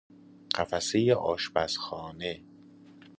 قفسه آشپزخانه